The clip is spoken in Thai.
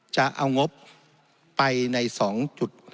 จะเอางบไปในสองจุด